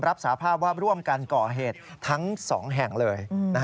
รับสาภาพว่าร่วมกันก่อเหตุทั้ง๒แห่งเลย